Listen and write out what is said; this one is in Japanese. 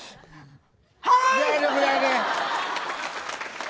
はい。